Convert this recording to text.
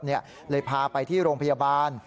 เลยพาไปที่โรงพยาบาล